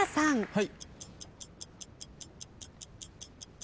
はい。